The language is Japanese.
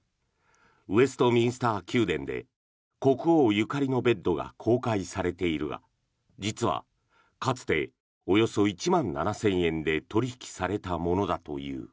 ウェストミンスター宮殿で国王ゆかりのベッドが公開されているが実は、かつておよそ１万７０００円で取引されたものだという。